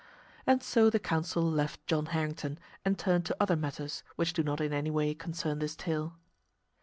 And so the council left John Harrington, and turned to other matters which do not in any way concern this tale.